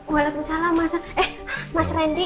waalaikumsalam mas eh mas randy